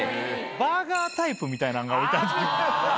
バーガータイプみたいなのが置いてある。